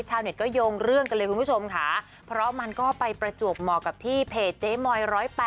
ชาวเน็ตก็โยงเรื่องกันเลยคุณผู้ชมค่ะเพราะมันก็ไปประจวบเหมาะกับที่เพจเจ๊มอย๑๐๘